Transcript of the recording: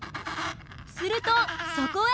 するとそこへ